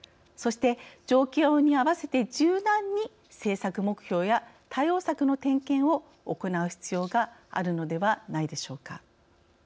そして状況にあわせて柔軟に政策目標や対応策の点検を行なう必要があるのではないでしょうか。